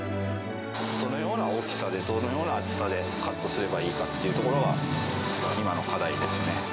どのような大きさで、どのような厚さでカットすればいいかっていうところが、今の課題